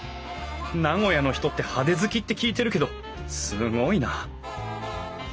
名古屋の人って派手好きって聞いてるけどすごいな。